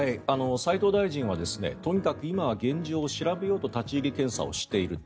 斉藤大臣はとにかく今は現状を調べようと立ち入り検査をしていると。